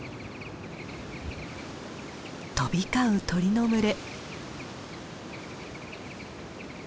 飛び交う鳥の群れ。